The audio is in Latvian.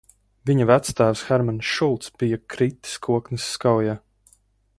Viņa vectēvs Hermanis Šulcs bija kritis Kokneses kaujā.